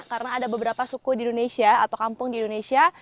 karena ada beberapa suku di indonesia atau kampung di indonesia